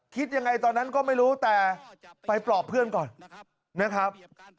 คิดยังไงตอนนั้นก็ไม่รู้แต่ไปปลอบเพื่อนก่อนนะครับ